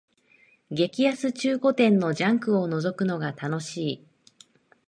激安中古店のジャンクをのぞくのが楽しい